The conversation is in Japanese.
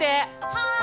はい！